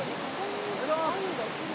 おはようございます。